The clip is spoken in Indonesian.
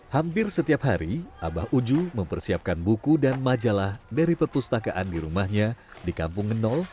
hampir setiap hari abah uju mempersiapkan buku dan majalah dari perpustakaan di rumahnya di kampung ngenol